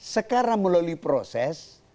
sekarang melalui proses